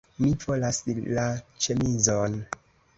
Mi volas la ĉemizon